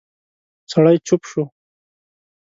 سړی چوپ شو.